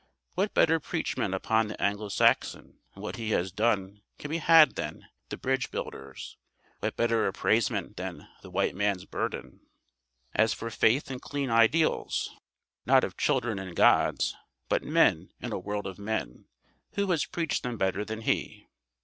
What better preachment upon the Anglo Saxon and what he has done can be had than The Bridge Builders? what better appraisement than The White Man's Burden? As for faith and clean ideals not of "children and gods, but men in a world of men" who has preached them better than he?